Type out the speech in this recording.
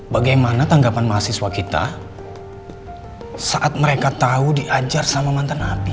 bagaimana tanggapan mahasiswa kita saat mereka tahu diajar sama mantan nabi